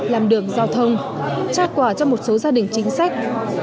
làm đường giao thông trao quà cho một số gia đình chính sách